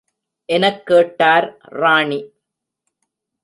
எனக் கேட்டார் ராணி.